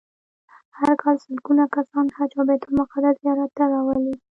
هر کال سلګونه کسان حج او بیت المقدس زیارت ته راولي.